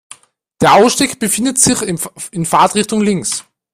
Der Ausstieg befindet sich in Fahrtrichtung links.